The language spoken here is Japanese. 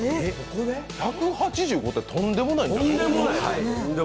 １８５ってとんでもないんじゃない。